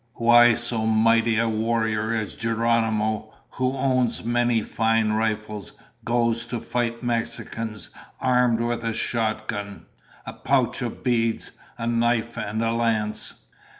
"Why so mighty a warrior as Geronimo, who owns many fine rifles, goes to fight Mexicans armed with a shotgun, a pouch of beads, a knife, and a lance."